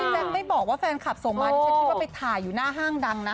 แจ๊คไม่บอกว่าแฟนคลับส่งมาดิฉันคิดว่าไปถ่ายอยู่หน้าห้างดังนะ